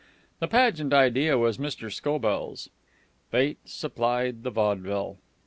The pageant idea was Mr. Scobell's. Fate supplied the vaudeville.